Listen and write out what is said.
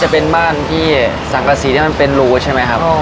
จะเป็นบ้านที่สังกษีที่มันเป็นรูใช่ไหมครับ